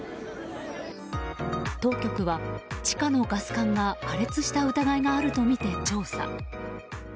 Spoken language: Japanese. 当局は地下のガス管が破裂した疑いがあるとみて調査。